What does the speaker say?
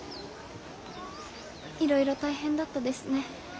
いろいろ大変だったですね。